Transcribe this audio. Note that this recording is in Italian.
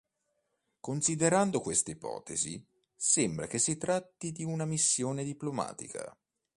Considerando queste ipotesi, sembra che si tratti di una missione diplomatica.